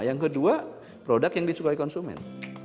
yang kedua produk yang disukai konsumen